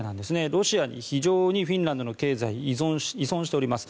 ロシアに非常にフィンランドの経済依存しております。